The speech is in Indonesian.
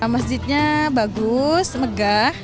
masjidnya bagus megah